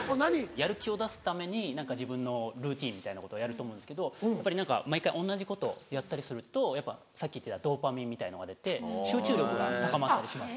やる気を出すために自分のルーティンみたいなことをやると思うんですけどやっぱり毎回同じことをやったりするとやっぱさっき言ってたドーパミンみたいなのが出て集中力が高まったりします。